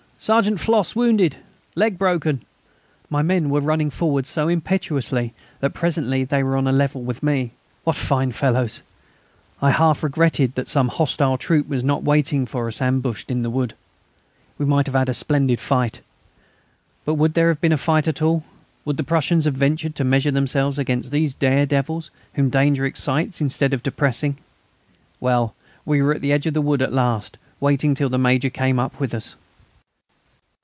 Sergeant Flosse wounded; leg broken." My men were running forward so impetuously that presently they were on a level with me. What fine fellows! I half regretted that some hostile troop was not waiting for us ambushed in the wood. We might have had a splendid fight! But would there have been a fight at all? Would the Prussians have ventured to measure themselves against these dare devils, whom danger excites instead of depressing? Well, we were at the edge of the wood at last, waiting till the Major came up with us.